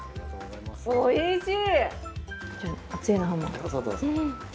おいしい。